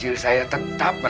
nggak ada apa apa